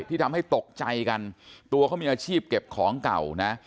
ที่ทำให้ตกใจกันตัวเขามีอาชีพเก็บของเก่านะ